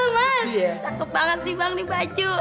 mas takut banget sih bang nih baju